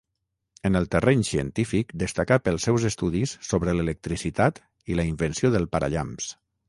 En el terreny científic destacà pels seus estudis sobre l'electricitat i la invenció del parallamps.